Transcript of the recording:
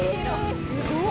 すごい！